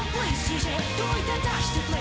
「問いただしてくれ